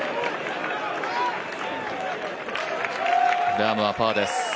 ラームはパーです。